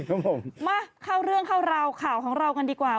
ครับผมมาเข้าเรื่องเข้าราวข่าวของเรากันดีกว่า